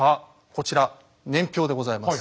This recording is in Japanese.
こちら年表でございます。